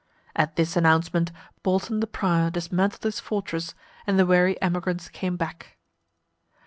At this announcement, Bolton the prior dismantled his fortress, and the weary emigrants came back.